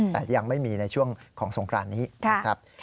แต่ยังไม่มีในช่วงของสงครานนี้นะครับ